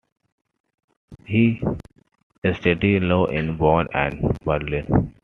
He studied law in Bonn and Berlin.